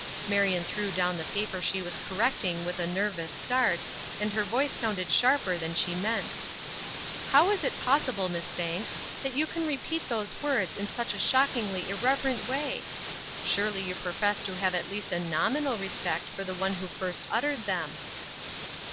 Marion threw down the paper she was correcting with a nervous start, and her voice sounded sharper than she meant. "How is it possible, Miss Banks, that you can repeat those words in such a shockingly irreverent way? Surely you profess to have at least a nominal respect for the One who first uttered them!"